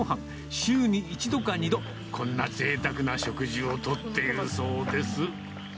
週に１度か２度、こんなぜいたくな食事をとっているそうです。